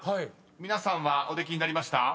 皆さんはお出来になりました？］